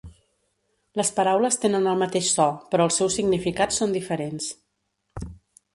Les paraules tenen el mateix so, però els seus significats són diferents.